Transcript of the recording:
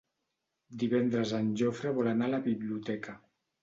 Divendres en Jofre vol anar a la biblioteca.